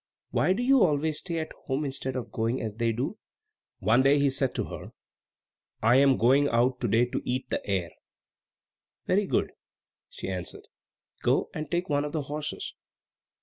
Why do you always stay at home, instead of doing as they do?" One day he said to her, "I am going out to day to eat the air." "Very good," she answered; "go, and take one of the horses."